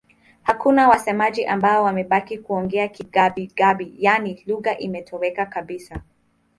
Hakuna wasemaji ambao wamebaki kuongea Kigabi-Gabi, yaani lugha imetoweka kabisa.